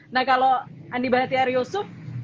nah kalo andi bahtiar yusuf